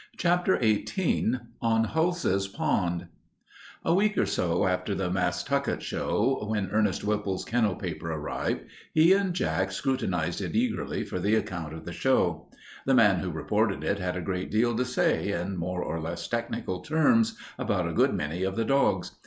CHAPTER XVIII ON HULSE'S POND A week or so after the Massatucket Show, when Ernest Whipple's kennel paper arrived, he and Jack scrutinized it eagerly for the account of the show. The man who reported it had a great deal to say, in more or less technical terms, about a good many of the dogs.